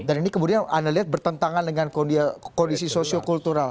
dan ini kemudian anda lihat bertentangan dengan kondisi sosio kultural